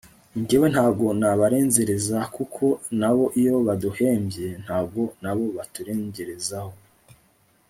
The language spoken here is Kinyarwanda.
njyewe ntago nabarenzereza kuko nabo iyo baduhembye ntago nabo baturengerezaho